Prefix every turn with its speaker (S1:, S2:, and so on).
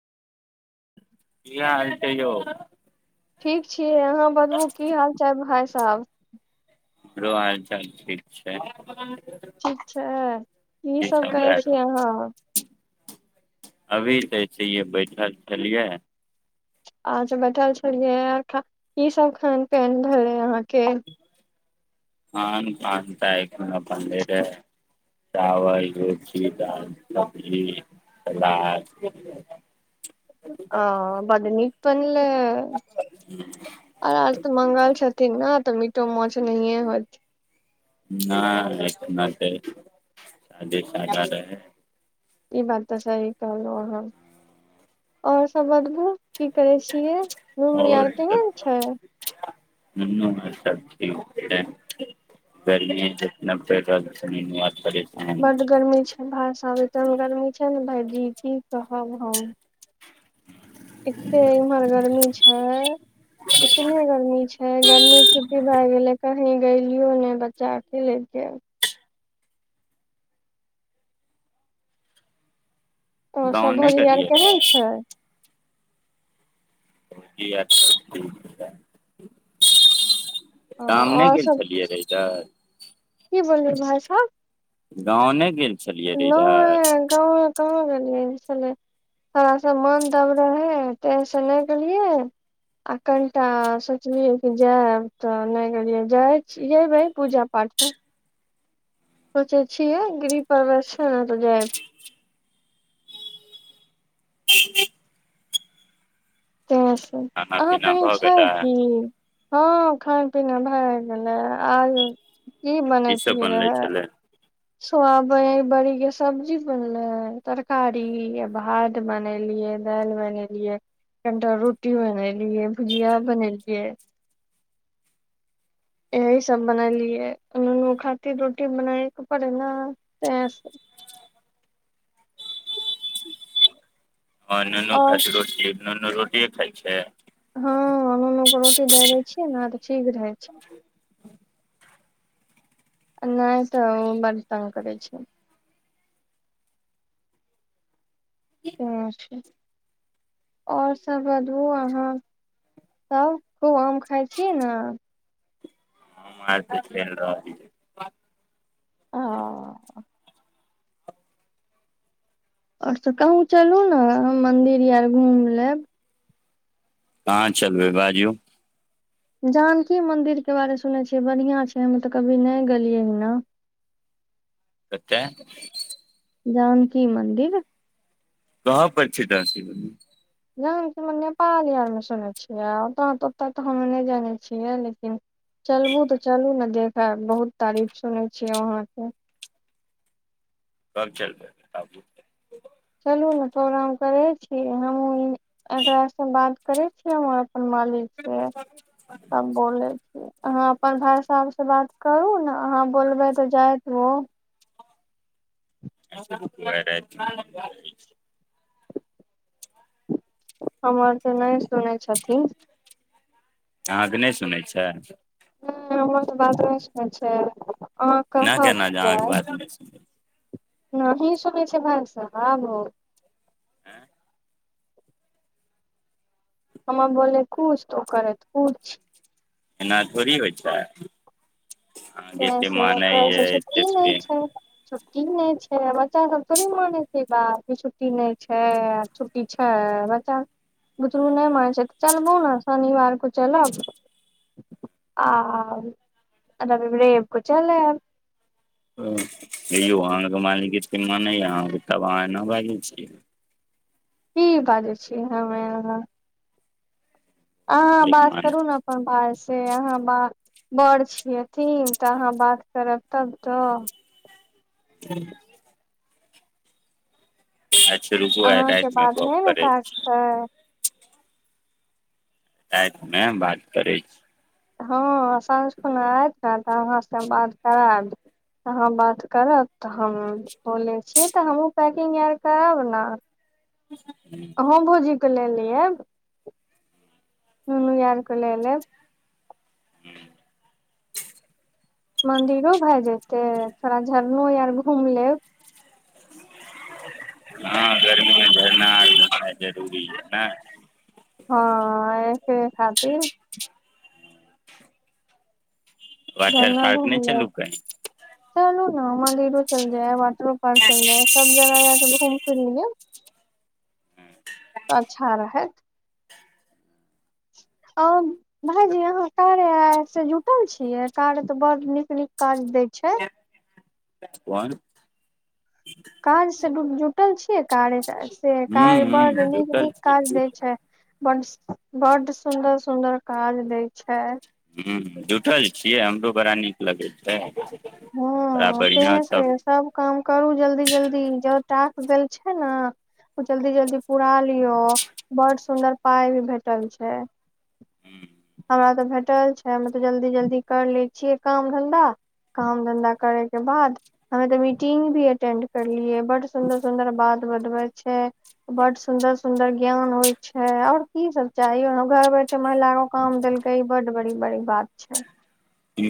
S1: की हाल छै यौ
S2: ठीक छियै अहाँ बतबू की हाल चाल भाय साहब
S1: हमरो हाल चाल ठीक छै की
S2: ठीक छै कि सभ
S1: सब
S2: करै
S1: भए
S2: छियै
S1: रहल
S2: अहाँ
S1: अभी तऽ ऐसइये बैठल छलियै
S2: अच्छा बैठल छलियै कि सभ खान पीयन भेलै अहाँके
S1: खान पान ता आइ कोनो बनले रहै चावल रोटी दाल सब्जी सलाद
S2: आ बड्ड नीक पेनलै आ आज तऽ मंगल छथिन ने तऽ मीटो माछ नहिए होइत
S1: नहि एकना शादी सादा रहय
S2: ई बात तऽ सही कहलहु आहाँ आओर सब बतबु की करै छियै नूनू आर
S1: सब
S2: केहन छै
S1: नूनू आओर सब ठीक छै गरमीये जितना पड़ि रहल छै नीनू आ थोरे
S2: बड्ड गर्मी छै भाय साहब एतने गर्मी छै ने भायजी की कहब हम एते इम्हर गर्मी छै इतने गर्मी छै गर्मी छुट्टी भए गेलै कहीं गलियो ने बच्चा आरके लेके ओ
S1: गाँव
S2: सभ
S1: नहि
S2: भौजी आओर
S1: गेलियै
S2: केहन
S1: रहे
S2: छै
S1: भौजी आओर सब ठीक
S2: अ
S1: छै शाम नहि
S2: और
S1: गेल
S2: सब
S1: छलियै रऽ इधर
S2: की भेलै भाई साहेब
S1: गाँव नहि गेल छलियै रहै इधर
S2: नय गाँवे कहाँ गेलियै छल थोड़ा सा मोन दब रहै तहिसँ नहि गेलियै आ कनिटा सोचलियै कि जायब तऽ नहि गेलियै जाइ छी जयबै पूजा पाठ [unintelligible] सोचै छियै गृह प्रवेश छै ने तऽ जायब तें से
S1: खाना
S2: अहाँ
S1: पीना
S2: कही
S1: भऽ
S2: छै
S1: गेलै
S2: की हँ खान पीना भए गेलै आब की
S1: सब
S2: बनैतियै
S1: बनले
S2: रहे
S1: छलै
S2: सोया ब बड़ी के सब्जी बनलै तरकारी आ भात बनेलियै दालि बनेलियै कनिटा रोटी बनेलियै भुजिया बनेलियै एक इ सब बनेलियऐ ओ नूनू खातिर रोटी बनाये के परै ने तैसँ [unintelligible]
S1: हँ नूनू
S2: और
S1: खाय छै रोटी नूनू रोटीये खाय छै
S2: हँ नूनूके रोटी दए दै छियै ने तऽ ठीक रहै छै नहि तऽ बर तंग करै छै छै आओर सभ बतबू अहाँ तब खूब आम खाइ छीय ने
S1: मारि पीट भेल रह कि
S2: ह आओर सब कहूँ चलू ना हम मन्दिर आर घुमि लेब
S1: कहां चलबै बाजू
S2: जानकी मन्दिरके बारे सुनै छियै बढ़िआँ छै हम्मे तऽ कभी नहि गेलियै हन ना [unintelligible]
S1: सत्ते
S2: जानकी मन्दिर
S1: कहाँ पर छै
S2: जानकी मन्दिर हम नेपाली आर मे सुनै छियै ओत तऽ ओतऽ तऽ हम नहि जानै छियै लेकिन चलबू तऽ चलू ने देखब बहुत तारीफ सुनै छियै वहाँके
S1: कब चलबे बताबू
S2: चलू ने प्रोग्राम करे छी हमहु एकर से बात करे छी हम अपन मालिक के त बोले छी अहाँ अपन भाय साहब से बात करू ने अहाँ बोलबै तऽ जाइत ओ
S1: [unintelligible]
S2: हमर तऽ नहि सुनै छथिन
S1: अहाँके नहि सुनै छै
S2: ह हमर तऽ बात ने सुने छै
S1: नहि
S2: कहब
S1: करना जाँके बात
S2: ही सुनै छै भाय साहब हो
S1: आँ
S2: हमे बोले कूछ उ करैत कुछ
S1: एना थोड़ होइ छै अहाँके
S2: ते
S1: एते मानै यै
S2: स
S1: एते
S2: छुट्टी नहि
S1: प्रेम
S2: छै की नहि छै बच्चा सब थोड़े मानै छै बाप छुट्टी नहि छै आ छुट्टी छै बच्चा बुतरू नहि मानै छै तऽ चलबौ ने शनिवारके चलब आ रबि क चलब
S1: हेयो अहाँके मालिक मानेय नहि य अहाँके तब अहाँ नहि बाजै छियै
S2: की बाजै छी हमे अहाँ
S1: मालिक
S2: बात
S1: मानै
S2: करू ने अपन भाय से अहाँ बात बड़ छियथिन तऽ अहाँ बात करब तब तऽ
S1: [unintelligible] अच्छ रुकु आय
S2: अहाँके
S1: रातिमे
S2: बात
S1: गप
S2: नहि ने
S1: करै छी
S2: काटतै
S1: रातिमे बात करै अछि
S2: हँ साँझ खुना आयत ने तऽ अहाँसँ बात कराब अहाँ बात करब तऽ हम बोलै छिय तऽ हमहूँ पैकिंग आर करब ने अहूँ भोजीके ले लिआयब मम्मी आओर क लेलेब
S1: हु
S2: मन्दिरो भए जेयतै थोड़ा झरनो आर घूमि लेब
S1: हँ गर्मीमे झरना आर घुमनाह जरूरी ने
S2: हँ ऐकरे खातिर
S1: वाटर
S2: झरना
S1: पार्क
S2: घुमि
S1: नहि चलू
S2: लेब
S1: कहीं
S2: हँ मन्दिरो चेल जायब वाटरो पार्क चल जाय है सब जगह यहके घूम फिर ले तऽ अच्छा रहैत भायजी अहाँ कार्य स जुटल छीयै कार्य त बड़ नीक न काज दै छै
S1: कोन
S2: काज से जुटल छियै कार्य से
S1: हूं
S2: कार बड
S1: हूं
S2: नीक
S1: जुटल
S2: नीक
S1: छी
S2: काज दै
S1: जुटल
S2: छै बड बड सुंदर सुंदर काज देय छै
S1: ह जूठल छियै हमरो बड़ा नीक लगै छै बड़ा
S2: हँ ते
S1: बढ़ियां
S2: छै सब काम करू जल्दी जल्दी जो टास्क देल छै ने ओ जल्दी जल्दी पुरा लियो बड़ सुन्दर पाइ भी भेटल छै हमरा तऽ भेटल छै हम तऽ जल्दी जल्दी कर लैत छियै काम धन्धा काम धन्धा करे के बाद हमे तऽ मीटिंग भी अटेंड करलियै बड सुंन्दर सुंन्दर बात बतबइ छै बड सुंन्दर सुदर ज्ञान होइ छै आओर की सभ चाही ओ घर बैठे महिला काम देलकै ई बड बड़ी बड़ी बात छै